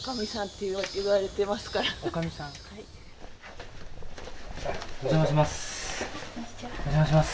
お邪魔します。